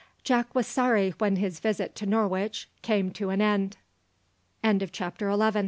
Jack was sorry when his visit to Norwich came to an end. CHAPTER TWELVE.